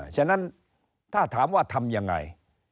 ฉะนั้นถ้าถามว่าทำยังไง